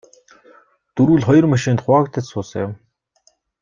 Дөрвүүл хоёр машинд хуваагдаж суусан юм.